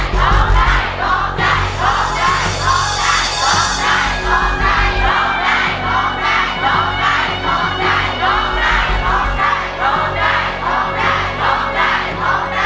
ร้องได้ร้องได้ร้องได้